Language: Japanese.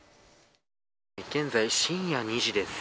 現在、深夜２時です。